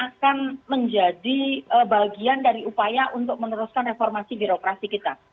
akan menjadi bagian dari upaya untuk meneruskan reformasi birokrasi kita